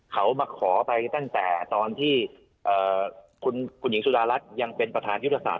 เขามาขอไปตั้งแต่ตอนที่คุณหญิงสุดารัฐยังเป็นประธานยุทธศาส